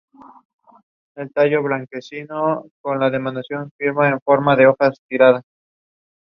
Credits adapted from liner notes from "How You Like That (booklet)" and Tidal.